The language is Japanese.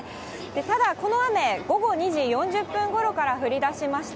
ただ、この雨、午後２時４０分ごろから降りだしました。